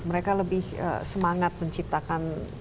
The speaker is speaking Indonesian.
mereka lebih semangat menciptakan